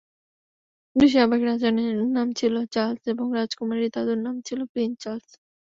দুই সাবেক রাজার নাম ছিল চার্লস এবং রাজকুমারীর দাদুর নাম প্রিন্স চার্লস।